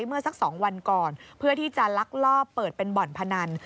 เมื่อสัก๒วันก่อนเพื่อที่จะลักลอบเปิดเป็นบ่อนพนัน